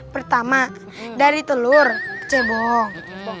pertama dari telur cebong